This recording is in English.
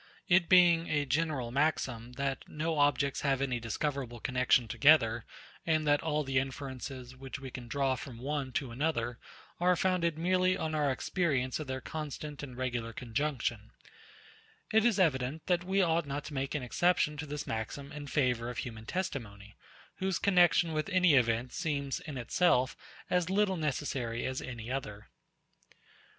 It being a general maxim, that no objects have any discoverable connexion together, and that all the inferences, which we can draw from one to another, are founded merely on our experience of their constant and regular conjunction; it is evident, that we ought not to make an exception to this maxim in favour of human testimony, whose connexion with any event seems, in itself, as little necessary as any other.